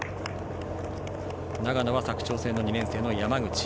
長野は佐久長聖の２年生、山口。